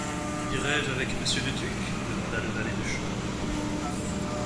Irai-je avec monsieur le duc, demanda le valet de chambre.